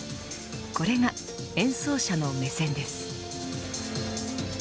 これが演奏者の目線です。